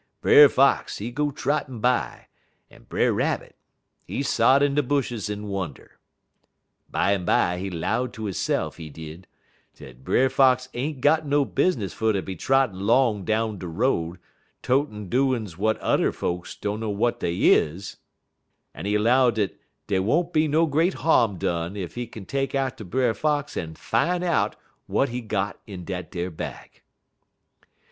Brer Fox, he go trottin' by, en Brer Rabbit, he sot in de bushes en wunder. Bimeby he 'low ter hisse'f, he did, dat Brer Fox ain't got no business fer ter be trottin' 'long down de road, totin' doin's w'ich yuther folks dunner w'at dey is, en he 'low dat dey won't be no great harm done ef he take atter Brer Fox en fine out w'at he got in dat ar bag.